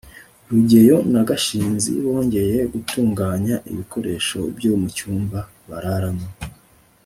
rugeyo na gashinzi bongeye gutunganya ibikoresho byo mu cyumba bararamo